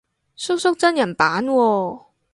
叔叔真人版喎